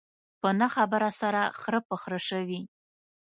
په نه خبره سره خره په خره شوي.